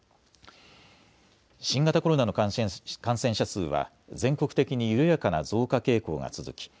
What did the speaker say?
新型コロナの感染者数は全国的に緩やかな増加傾向が続き